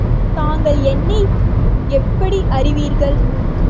தாங்கள் என்னை எப்படி அறிவீர்கள்?